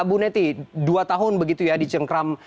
bu neti dua tahun begitu ya dicengkram